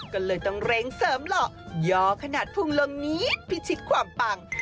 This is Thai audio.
ก็เลยต้องเร่งเสริมหล่อย่อขนาดพุงลมนี้พิชิตความปัง